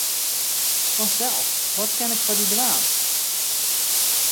Fansels, wat kin ik foar dy dwaan?